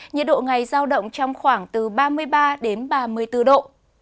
nhiệt độ ngày giao động trong khoảng từ ba mươi ba đến ba mươi bốn độ